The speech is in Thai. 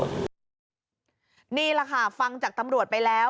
นี่แหละค่ะฟังจากตำรวจไปแล้ว